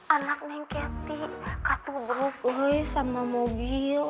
anak saya kaku berubah sama mobil